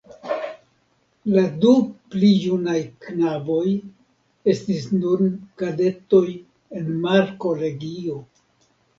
La du pli junaj knaboj estis nun kadetoj en markolegio.